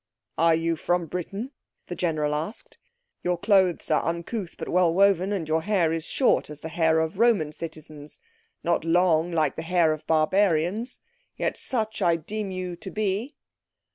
"Are you from Britain?" the General asked. "Your clothes are uncouth, but well woven, and your hair is short as the hair of Roman citizens, not long like the hair of barbarians, yet such I deem you to be."